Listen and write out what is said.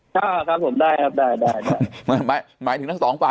เดี๋ยวผมจะบอกให้แต่ละคนที่มาก็มาด้วยอารมณ์กันทั้งนั้นไง